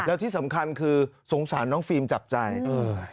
แล้วที่สำคัญคือสงสารน้องฟิล์มจับใจเออ